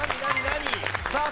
何？